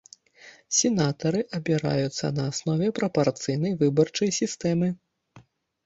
Сенатары абіраюцца на аснове прапарцыйнай выбарчай сістэмы.